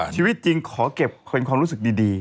ชีวิตจริงขอเก็บเป็นความรู้สึกดี